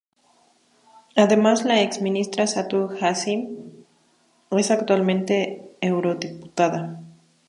Además la ex-ministra Satu Hassi, es actualmente eurodiputada.